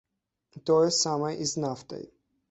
Тое самае і з нафтай.